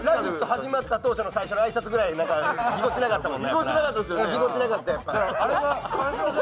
始まった当初の最初の挨拶ぐらいぎこちなかったもんね。